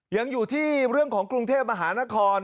ยังอยู่ที่เรื่องของกรุงเทพมหานคร